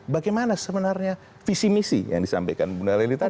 bagaimana sebenarnya visi misi yang disampaikan bunda leli tadi